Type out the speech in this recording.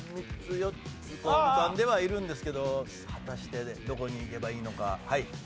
３つ４つと浮かんではいるんですけど果たしてどこにいけばいいのか。